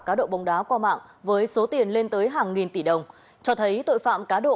cá độ bóng đá qua mạng với số tiền lên tới hàng nghìn tỷ đồng cho thấy tội phạm cá độ